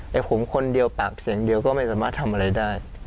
แต่ผมคนเดียวปากเสียงเดียวก็ไม่สามารถทำอะไรได้